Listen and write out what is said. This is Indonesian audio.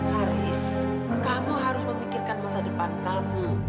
haris kamu harus memikirkan masa depan kamu